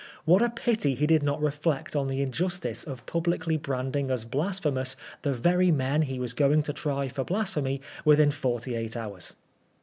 What a pity he did not reflect on the injustice of publicly branding as blasphemous the very men he was going to try for blasphemy within forty eight hours